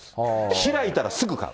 開いたらすぐ買う。